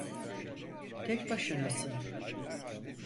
Tek başınasın.